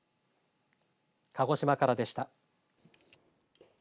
鹿児島からでした。